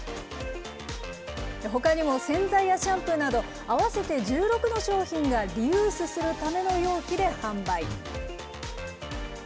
ほかにも洗剤やシャンプーなど、合わせて１６の商品がリユースするための容器で販売。